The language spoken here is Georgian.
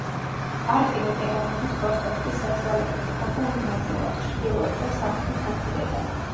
პარკი ვეტერანების პროსპექტის საშუალებით იყოფა ორ ნაწილად ჩრდილოეთ და სამხრეთ ნაწილებად.